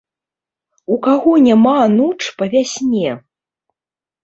У каго няма ануч па вясне?